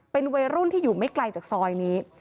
เป็นวัยรุ่นที่อยู่ไม่ไกลจากซอยนี้